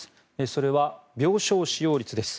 それは病床使用率です。